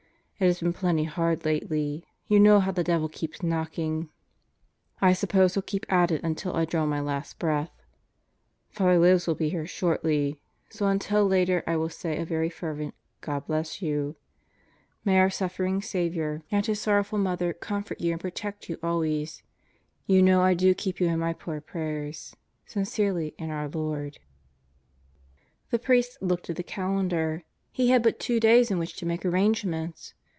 It has been plenty hard lately. You know how the devil keeps knocking. I suppose heTl keep at it until I draw my last breath. Father Libs will be here shortly. ... So until later I will say a very fervent God bless you. May our Suffering Saviour and His 164 God Goes to Murderers Row Sorrowful Mother comfort you and protect you always. You know I do keep you in my poor prayers. Sincerely in our Lord The priest looked at the calendar. He had but two days in which to make arrangements.